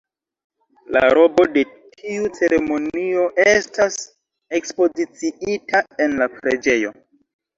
La robo de tiu ceremonio estas ekspoziciita en la preĝejo.